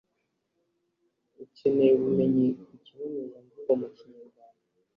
ukeneye ubumenyi ku kibonezamvugo mu Kinyarwanda.